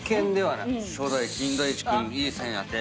初代金田一君いい線やて。